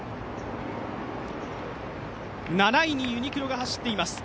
７位にユニクロが走っています。